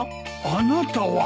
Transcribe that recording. あなたは。